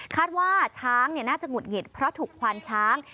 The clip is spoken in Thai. คาดว่าช้างน่าจะหงุดหงิดเพราะถูกควานช้าง